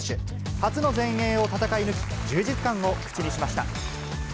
初の全英を戦い抜き、充実感を口にしました。